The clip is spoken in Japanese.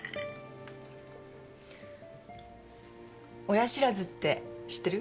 親知らずって知ってる？